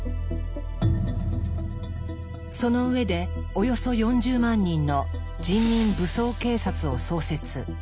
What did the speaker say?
その上でおよそ４０万人の「人民武装警察」を創設。